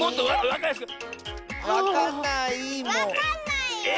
わかんないよ。